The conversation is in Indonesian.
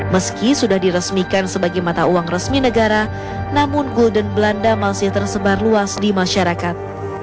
meski sudah diresmikan sebagai mata uang resmi negara namun golden belanda masih tersebar luas di masyarakat